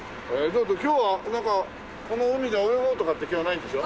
今日はこの海で泳ごうとかって気はないんでしょ？